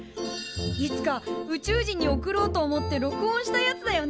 いつか宇宙人に送ろうと思って録音したやつだよね。